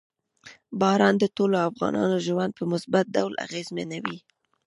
باران د ټولو افغانانو ژوند په مثبت ډول اغېزمنوي.